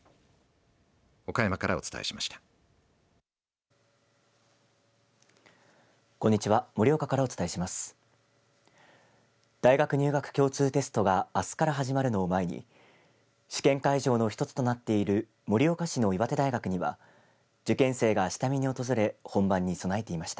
岡山からお伝えしました。